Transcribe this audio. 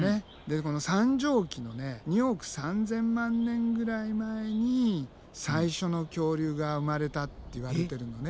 この三畳紀の２億３，０００万年ぐらい前に最初の恐竜が生まれたっていわれてるのね。